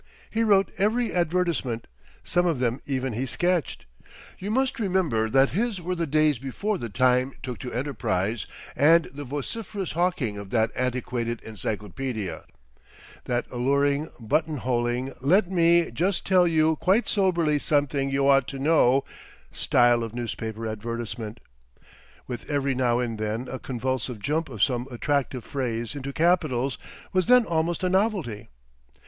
He wrote every advertisement; some of them even he sketched. You must remember that his were the days before the Time took to enterprise and the vociferous hawking of that antiquated Encyclopædia. That alluring, button holing, let me just tell you quite soberly something you ought to know style of newspaper advertisement, with every now and then a convulsive jump of some attractive phrase into capitals, was then almost a novelty.